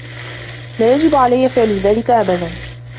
لا يَجِبُ عَليَّ فِعلُ ذلِك أَبَداً